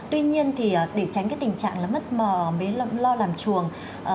tuy nhiên thì để tránh cái tình trạng là mất mò mới lo làm chuồng